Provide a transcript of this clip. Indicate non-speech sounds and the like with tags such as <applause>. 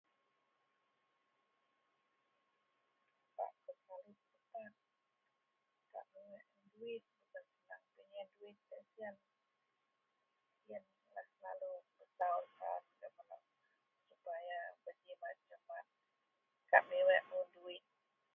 <unintelligible> kak miweak duwit, kak miweak duwit laei siyen, yenlah selalu <unintelligible> sepaya berjimat cermat, kak miweak un duwit.